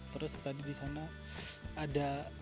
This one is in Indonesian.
terus tadi di sana ada